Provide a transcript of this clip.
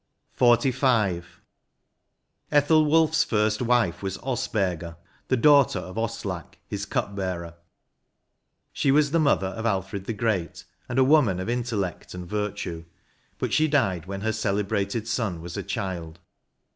90 XLV Ethelwulph*s first wife was Osberga, the daughter of Oslac, his cupbearer; she was the mother of Alfired the Great, and a woman of intellect and virtue ; but she died when her celebrated son was a child.